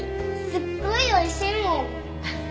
すっごいおいしいもん！